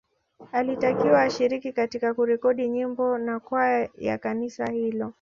Alitakiwa ashiriki katika kurekodi nyimbo na kwaya ya kanisa hilo